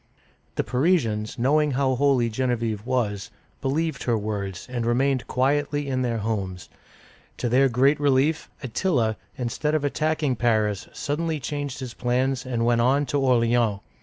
The Parisians, knowing how holy Genevieve was, believed her words, and remained quietly in their homes. To their great relief, Attila, instead of attacking Paris, suddenly changed his plans and went on to Or'leans.